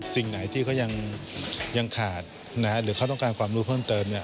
สิ่งไหนที่เขายังขาดหรือเขาต้องการความรู้เพิ่มเติมเนี่ย